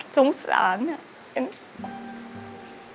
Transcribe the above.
สงสารนึง